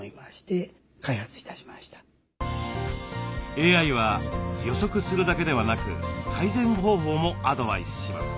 ＡＩは予測するだけではなく改善方法もアドバイスします。